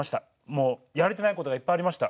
もうやれてないことがいっぱいありました。